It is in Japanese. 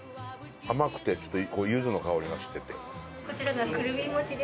甘くてちょっとゆずの香りがしてて。